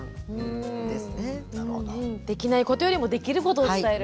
できないことよりもできることを伝える。